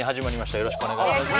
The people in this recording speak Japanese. よろしくお願いします